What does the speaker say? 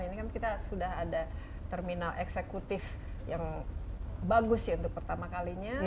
ini kan kita sudah ada terminal eksekutif yang bagus ya untuk pertama kalinya